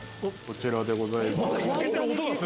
こちらでございます